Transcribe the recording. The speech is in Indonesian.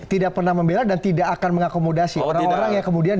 tidak pernah membela dan tidak akan mengakomodasi orang orang yang kemudian